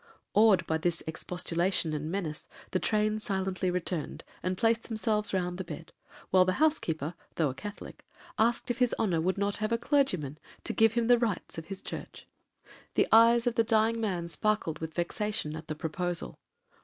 Awed by this expostulation and menace, the train silently returned, and placed themselves round the bed, while the housekeeper, though a Catholic, asked if his honor would not have a clergyman to give him the rights, (rites) of his church. The eyes of the dying man sparkled with vexation at the proposal.